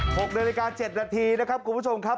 ๖นาฬิกา๗นาทีนะครับกลุ่มผู้ชมครับ